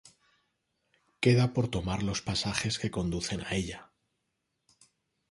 Queda por tomar los pasajes que conducen a ella.